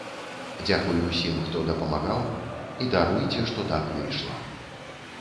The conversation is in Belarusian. Дзякуй усім, хто дапамагаў, і даруйце, што так выйшла.